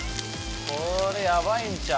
これヤバいんちゃう？